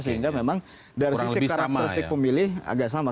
sehingga memang dari sisi karakteristik pemilih agak sama